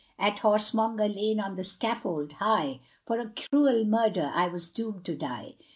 At Horsemonger lane on the scaffold high, For a cruel murder I was doomed to die.